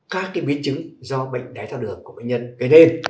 các biến chứng do bệnh đái thao đường của bệnh nhân gây nên